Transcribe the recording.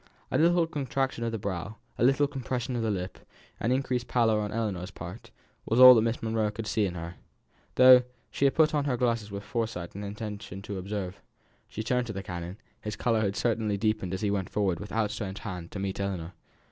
A little contraction of the brow, a little compression of the lips, an increased pallor on Ellinor's part, was all that Miss Monro could see in her, though she had put on her glasses with foresight and intention to observe. She turned to the canon; his colour had certainly deepened as he went forwards with out stretched hand to meet Ellinor.